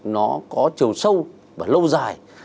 nó có chiều sâu và lâu dài